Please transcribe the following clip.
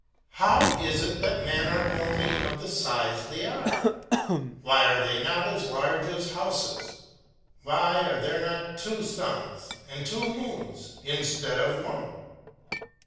" How is it that men are only of the size they are Y "" Why are they not as large as houses ?"" Why are there not two suns and two moons instead of one